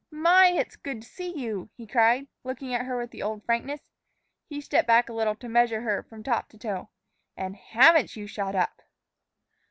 "My! it's good to see you!" he cried, looking at her with the old frankness. He stepped back a little to measure her from top to toe. "And haven't you shot up!"